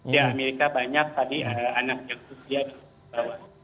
di amerika banyak tadi anak yang usia di bawah